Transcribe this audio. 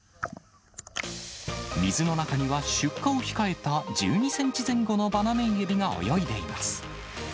水の中には出荷を控えた１２センチ前後のバナメイエビが泳いでいます。